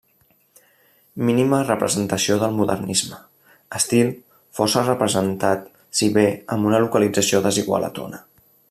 Mínima representació del modernisme, estil força representat si bé amb una localització desigual a Tona.